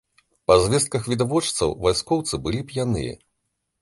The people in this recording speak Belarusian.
Па звестках відавочцаў, вайскоўцы былі п'яныя.